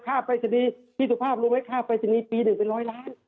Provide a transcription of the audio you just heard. ค่าไปที่นี่ที่สุภาพรู้ไหมค่าไปที่นี่ปีหนึ่งเป็นร้อยล้าน